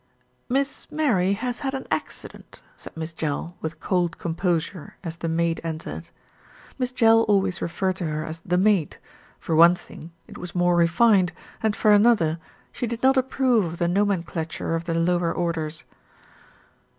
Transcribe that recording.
"Miss Mary has had an accident," said Miss Jell with cold composure, as the maid entered. Miss Jell always referred to her as "the maid," for one thing it was more refined, and for another, she did not approve of the nomenclature of the lower orders.